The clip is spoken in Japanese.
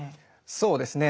そうですね。